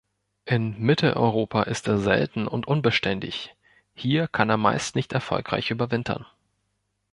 In Mitteleuropa ist er selten und unbeständig, hier kann er meist nicht erfolgreich überwintern.